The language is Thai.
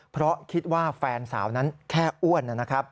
เพราะคิดว่าแฟนสาวนั้นแค่อ้วนนะครับ